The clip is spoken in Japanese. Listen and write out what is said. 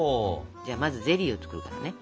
じゃあまずゼリーを作るからね。